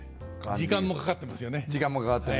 時間もかかってます。